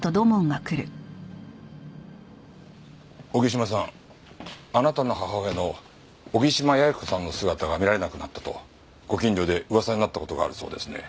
荻島さんあなたの母親の荻島八重子さんの姿が見られなくなったとご近所で噂になった事があるそうですね。